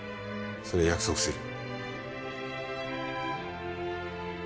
それは約束する。